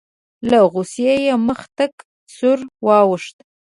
له غوسې یې مخ تک سور واوښت.